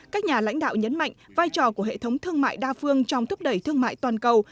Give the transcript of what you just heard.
các nhà lãnh đạo nhấn mạnh vai trò của hệ thống thương mại đa phương trong thúc đẩy thương mại toàn cầu